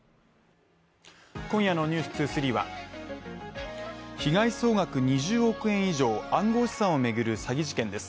今夜の「ｎｅｗｓ２３」は被害総額２０億円以上暗号資産を巡る詐欺事件です。